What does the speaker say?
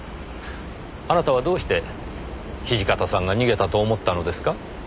あなたはどうして土方さんが逃げたと思ったのですか？